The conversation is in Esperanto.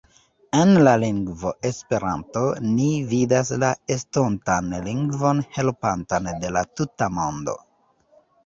En la lingvo « Esperanto » ni vidas la estontan lingvon helpantan de la tuta mondo.